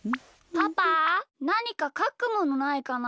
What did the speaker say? パパなにかかくものないかな？